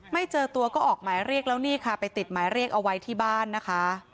ไม่เจอตัวก็ออกหมายเรียกแล้วนี่ค่ะไปติดหมายเรียกเอาไว้ที่บ้านนะคะ